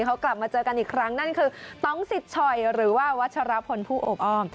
เขากลับมาเจอกันอีกครั้งนั่นคือต้องสิทธิ์ชอยหรือว่าวัชรพลผู้โอบอ้อม